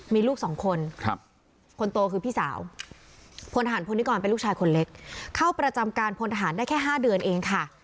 มีลูกสองคนคนโตคือพี่สาวพลทหารพลนิกรเป็นลูกชายคนเล็กเข้าประจำการพลทหารได้แค่๕เดือนเองค่ะ